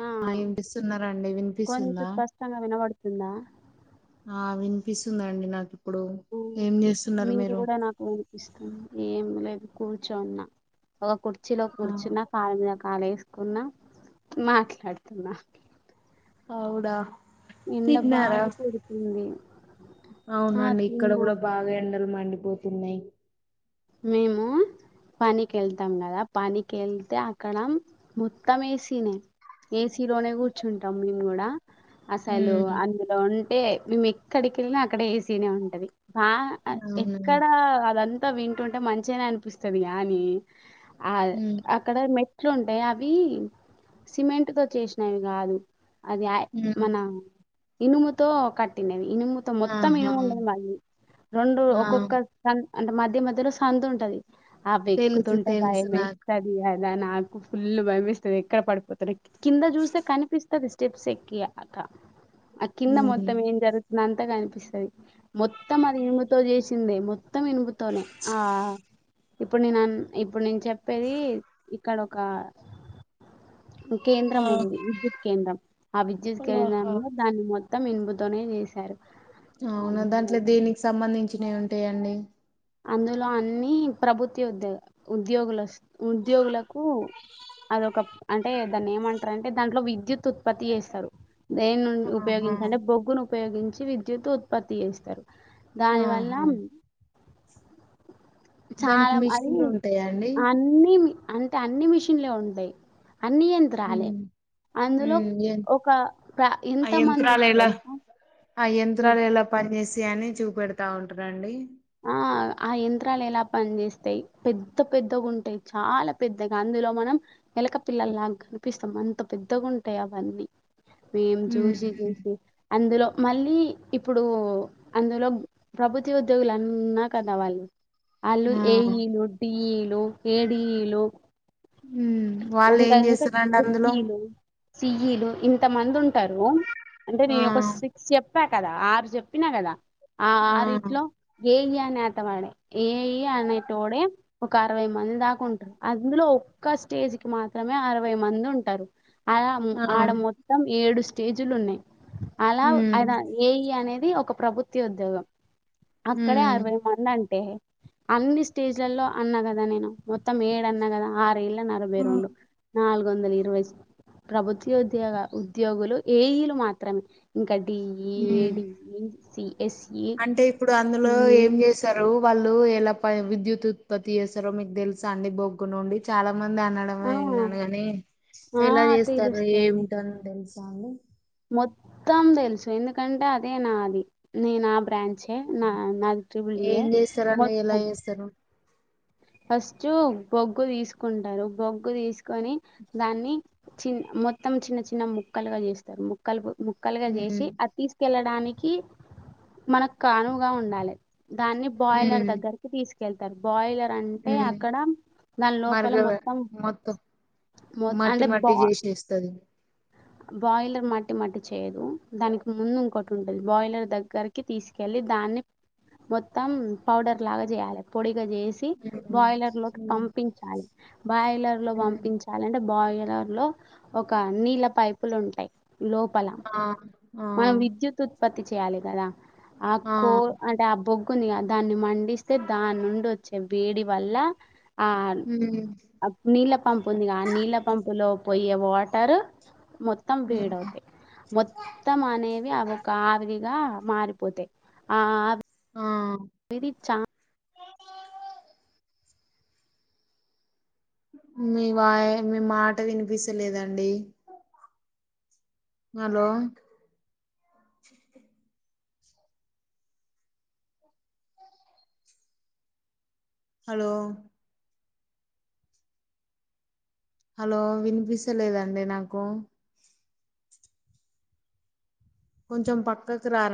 నా ఆ వినిపిస్తున్నారండి గొంతు వినిపిస్తుందా స్పష్టంగా వినబడుతుందా ఆ విని అనిపిస్తుందండి నాకు ఇప్పుడు ఏం చేస్తున్నారు మీరు కూడా నాకు అనిపిస్తాంది ఏమి లేదు కూర్చున్న ఒక కుర్ కచ్చిలో ఆ కూర్చున్న కా కాల వేసుకున్నా మాట్లాడుతున్నా అవుడా ఎంద బాగా కుడుతుంది అవునండి ఇక్కడ కూడా బాగాండి లు మాండిపోతున్నాయి మేము పనికి వెళ్తాం కదా పనికి వెళ్తే అక్కడ మొత్తం వేసిన ఏసీ లోనే కూర్చుంటాం మేము కూడా అసాలు ఉమ్, అందులో ఉ అంటే మేము ఎక్కడికి వెళ్ళినా అక్కడ ఏసీనే ఉంటుంది బా అవునా ఎక్కడ అదంత తవన్ ట్ంటే మంచిగానే అనిపిస్తుది కాగాని ఆ ఉమ్, అక్కడ మెట్ అట్లు ఉంటాయి అవి సిమెంట్ తో చేసినవి కాదు అది ఉమ్, మన ఇనుముతో కట్టినేేవి ఇనుముతో మొత్తం ఆహా ఇనుము ఉండదు మళది రెండు ఆ ఒక్కొక్కన్ అంటే మధ్య మధ్యలో సంత ఉంటది ఆ తెలుసు బిక్కుతుంటే తెలుసు నాకు భాయమేస్తది అది అండ్ల నాకు ఫుల్ భయమేస్తది ఎక్కడ పడిపోతనో కింద చూస్తే కనిపిస్తది ట్రిప్స్ ఎక్కియ అక్క అ కింద ఉమ్, మొత్తం ఏం జరుగు కింద అంతా కనిపిస్తుంది మొత్తం అది ఇనుముతో చేసిందే మొత్తం ఇనుము ఆ ఇప్పుడు నీ నన్ ఇప్పుడు నిన్ చెప్ పేరీ ఇ ఇక్కడొకా ఆ కేంద్రం ఉంది విద్యుత్ కేంద్రం ఆ విద్యుత్ ఆహా కేంద్రంలో దాన్ని మొత్త మొత్తం ఇనుముతోనే చేశారు అవునా అమ్మో దాంట్లో దేనికి సంబంధించి చ్చినయి ఉంటయండి అందులో అన్ని ప్రభుత్య ఉద్యో ఉద్యోగుల ఉద్యోగులకు అదొక అంటే దాన్ని ఏమంటారంటే దాంట్లో విద్యుత్ త్ ఉత్పత్తి చేస్తరు దేని ఆహా నుపయోగించంటే బొగ్గును ఉపయోగించి విద్యుత్ ఉత్పత్తి చేస్తారు దాని వల్ల ఆహా దానికి చాలా అది మిషన్లు ఉంటాయా అండి అన్నీ అంటే అన్ని మిషన్లే ఉంటయ్ అన్నీ యంత్రాలే ఉమ్, అందులో ఉమ్, ఏ- ఒక ప్ర ఆ ఎంత యంత్రాలు మందికి ఎలా తెలుసా ఆ యంత్రాలు ఎలా పనిచెస్ యని అని చూపెడతా ఉంటారండి ఆ ఆ యంత్రాలు ఎలా పని చేస్తయి పెద్ద పెద్దగా ఉంటయ్ చాలా పెద్దగా అందులో మనం ఎలక పిల్లలలాగా కనిపిస్తాం అంత పెద్దగాంటాయి అవన్నీ మేం చూసి చూసి అందులో మళ్ళీ ఇప్పుడూ అందులో ప్రభుత్యో దువులన్నా కన్న వాళ్ళ అలు ఆ ఏఈ లు టిఈలు ఏడిఈ లు ఉ వాళ్ళు ఏం చేస్తరండి అందులో సిఈ లు ఇంత మంది ఉంటారు అంటే ఆ నేను ఒక సిక్స్ చెప్ చెప్పా కదా ఆరు చెప్పినా కదా ఆ ఆరీట్లో చేయ నేతకాడే ఏయి అనే టోడే ఒక అరవై మంది దాక ఉంటారు అందులో ఒక్క స్టేజీకిి మాత్రమే అరవై మంది ఉంటారు ఆ ఆడ మొత్తం ఏడు స్టేజులు ఉన్నాయి అలా ఉమ్ అద ఏయి అనేది ఒక ఒక ప్రభుత్వ ఉద్యోగం అక్కడే ఉమ్ ఆరవై మంది అంటే అన్ని స్టేజ్లలో అన్నా కదా నేను మొత్తం ఏడన్నా కదా ఆరేళ్ళ వేరుండు నాలుగు వందల ఇరవై ప్రభుత్వ ఉద్యోగు ఉద్యోగులు ఏఈలు మాత్రమే ఇంకా హ్మ్ తీ అంటే ఇప్పుడు అందులో ఏం చేస్తరు వాళ్ళు ఎలా విద్యుత్ ఉత్పత్తి చేస్తారో మీకు తెలుసా అండి బొగ్గు నుండి చాలా చాలా మంది అనడమే ఆ విన్నాను గాని ఆ ఎలా చేస్తారు తెలుస్తాయి ఏమిటో అని తెలుసా అండి మొత్తం తెలుసు ఎందుకంటే అదే నాది నేను ఆ బ్రాంచ్ నా నాకు త్రిబుల్ ఏం ఏ చేస్తారండి ఎలా మొత్తం చేస్తారు ఫస్ట్ బొగ్గు తీసుకుంటారు బొగ్గు తీసుకు కని దాన్ని చిన్న మొత్తం చిన్న చిన్న ముక్కలుగా చేస్తారు ముక్కలు ముక్కలుగా ఉమ్ చేసి అది తీసుకెళ్ళ దానికి మనకు కానువుగా ఉండాలి దాన్ని బాయిలర్ ఉమ్ దగ్గరికి తీసుకు కెళ్తారు బాయిలర్ అంటే హ్మ్ అక్కడ దాని లోపల మరిగ మొత్తం మొత్తం మొ- అంటే మట్టి బా మట్టి చేసేస్తది బాయిలర్ మట్టి మట్టి చేయదు. దానికి ముందు ఇంకోటి ఉంటుంది. బాయిలర్ దగ్గరికి తీసుకెళ్ళి దాన్ని మొత్తం పౌడర్ లాగా చేయాలి పొడి. చేసి హ్మ్ బాయిలర్ లో కి పంపించాలి బాయిలర్ లో పంపించాలంటే బాయిలర్ ర్ లో ఒక నీళ్ళ పైపులు ఉంటాయి లోపల ఆ ఆ మనం విద్యుత్ ఉత్ పత్తి చేయాలి కదా. ఆ ఆక్కో అంటే అబ్బు. కొన్ని దాన్ని మండిస్తే దాని నుండి వచ్చే వేడి వల్ల. ఆ హ్మ్ నీళ్ళ పంపు ఉందిగా ఆ నీళ్ళ పంపులో. పోయే వాటరూ. మొత్తం హ్మ్ బీడ్ అవుతాయి, మొత్తం అనేవి అవి ఒక ఆవిరి. ఇలా, మారిపోతాయి ఆ. ఆ వెరి చ్ఛా. మీ వాయి, మీ మాట వినిపిస్తచలేదండి. హలో. హలో. హలో వినిపిస్తచలేదండి నాకు. కొంచం పక్కకి రార.